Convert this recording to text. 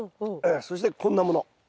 そしてこんなもの。